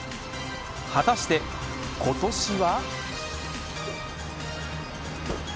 果たして今年は。